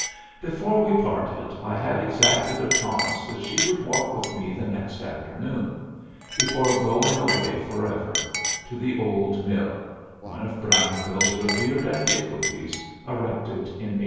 Before we parted I had exacted a promise that she would walk with me the next afternoon before going away forever to the Old Mill, one of Brownville's revered antiquities, erected in 1860.